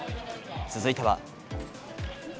続いては。